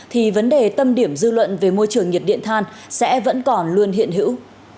thì vấn đề tâm điểm dư luận về môi trường nhiệt điện than sẽ vẫn còn luôn hiện hữu